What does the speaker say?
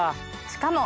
しかも。